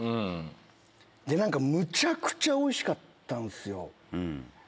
で、なんかむちゃくちゃおいしかったんすよ。